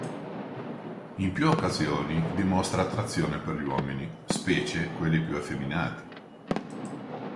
In più occasioni dimostra attrazione per gli uomini, specie quelli più effeminati.